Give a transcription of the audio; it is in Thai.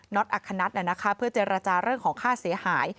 น็อตอักษณัตย์เพื่อเจรจาเรื่องของค่าเสียหาย